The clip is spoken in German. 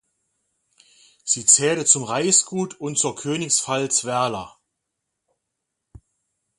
Sie zählte zum Reichsgut und zur Königspfalz Werla.